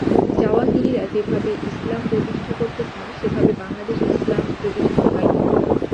জাওয়াহিরিরা যেভাবে ইসলাম প্রতিষ্ঠা করতে চান, সেভাবে বাংলাদেশে ইসলাম প্রতিষ্ঠা হয়নি।